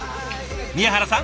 宮原さん